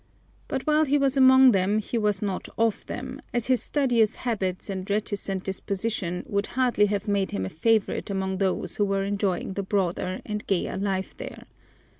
But while he was among them he was not of them, as his studious habits and reticent disposition would hardly have made him a favorite among those who were enjoying the broader and gayer life there.